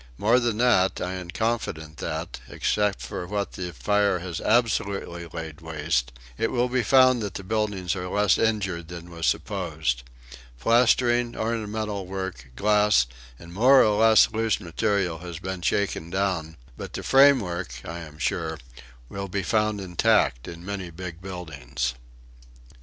More than that, I am confident that, except for what fire has absolutely laid waste, it will be found that the buildings are less injured than was supposed. Plastering, ornamental work, glass and more or less loose material has been shaken down, but the framework, I am sure, will be found intact in many big buildings."